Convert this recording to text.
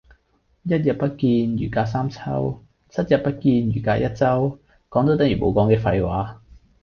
一日不見如隔三秋，七日不見如隔一周，講咗等如冇講嘅廢話